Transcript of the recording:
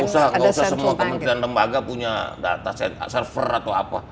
nggak usah semua kementerian lembaga punya data server atau apa